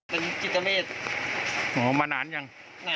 ไม่ทราบเหมือนกันครับ